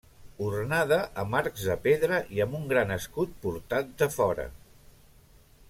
Ornada amb arcs de pedra i amb un gran escut portat de fora.